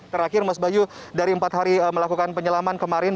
terakhir mas bayu dari empat hari melakukan penyelaman kemarin